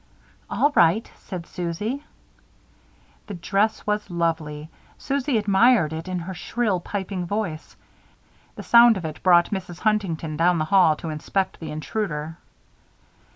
"All right," said Susie. The dress was lovely. Susie admired it in her shrill, piping voice. The sound of it brought Mrs. Huntington down the hall to inspect the intruder.